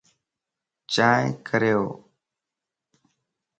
چائين ڪريو